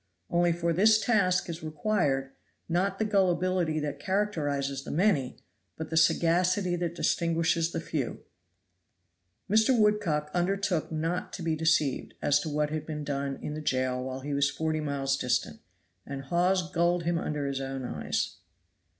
Only for this task is required, not the gullibility that characterizes the many, but the sagacity that distinguishes the few. Mr. Woodcock undertook not to be deceived as to what had been done in the jail while he was forty miles distant and Hawes gulled him under his own eyes.